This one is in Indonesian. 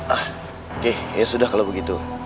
ah oke ya sudah kalau begitu